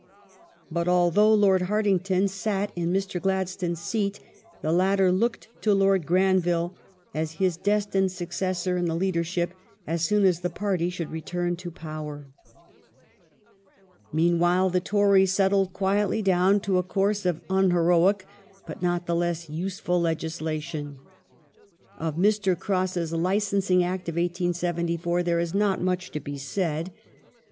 But although Lord Hartington sat in Mr. Gladstone's seat the latter looked to Lord Granville as his destined successor in the leadership, as soon as the party should return to power. I 1878] SOCIAL REFORM 439 Meanwhile the Tories settled quietly down to a coui se of un s ocial heroic but not the less useful legislation. Of Mr. Cross's Licensing ^^^°^^ Act of 1874 there is not much to be said.